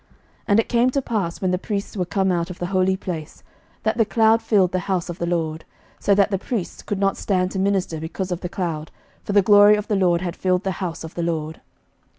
11:008:010 And it came to pass, when the priests were come out of the holy place, that the cloud filled the house of the LORD, 11:008:011 So that the priests could not stand to minister because of the cloud: for the glory of the LORD had filled the house of the LORD.